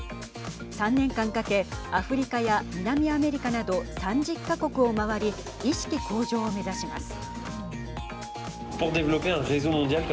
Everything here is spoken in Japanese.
３年間かけアフリカや南アメリカなど３０か国を周り意識向上を目指します。